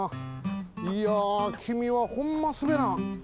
いやきみはホンマすべらん。